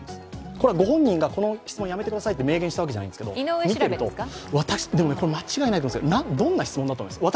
これはご本人がこの質問をやめてくださいと明言したわけじゃないんですけど、でもね間違いないと思います、どんな質問だと思いますか？